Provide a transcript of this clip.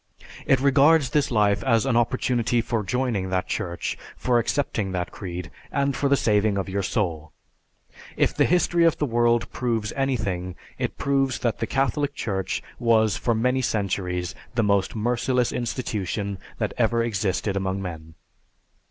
It regards this life as an opportunity for joining that Church, for accepting that creed, and for the saving of your soul. If the history of the world proves anything, if proves that the Catholic Church was for many centuries the most merciless institution that ever existed among men.